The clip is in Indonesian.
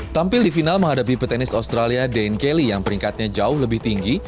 tampil di final menghadapi petenis australia dan kelly yang peringkatnya jauh lebih tinggi